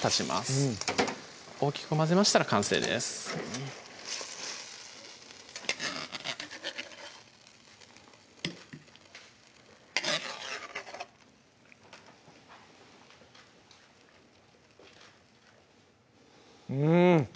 うん大きく混ぜましたら完成ですうん！